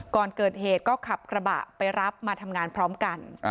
ก่อนเกิดเหตุก็ขับกระบะไปรับมาทำงานพร้อมกัน